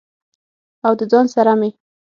او د ځان سره مې